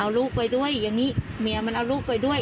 เอาลูกไปด้วยอย่างนี้เมียมันเอาลูกไปด้วย